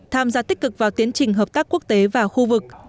tham gia tích cực vào tiến trình hợp tác quốc tế và khu vực